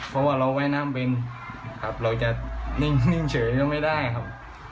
เพราะว่าเราว่ายน้ำเป็นครับเราจะนิ่งเฉยก็ไม่ได้ครับ